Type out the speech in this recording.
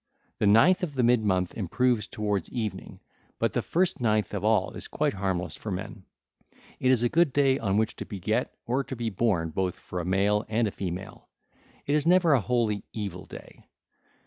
810 813) The ninth of the mid month improves towards evening; but the first ninth of all is quite harmless for men. It is a good day on which to beget or to be born both for a male and a female: it is never an wholly evil day. (ll.